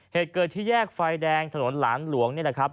เหตุเกิดที่แยกไฟแดงถนนหลานหลวงนี่แหละครับ